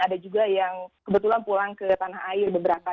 ada juga yang kebetulan pulang ke tanah air beberapa